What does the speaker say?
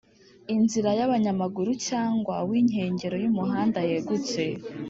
inzira y abanyamaguru cyangwa w inkengero y umuhanda yegutse